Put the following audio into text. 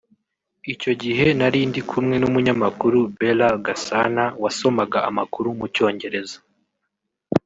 icyo gihe nari ndi kumwe n’umunyamakuru Bella Gasana wasomaga amakuru mu cyongereza